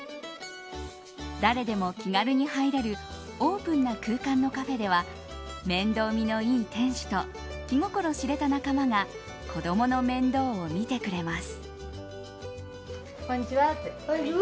誰でも気軽に入れるオープンな空間のカフェでは面倒見のいい店主と気心知れた仲間が子供の面倒を見てくれます。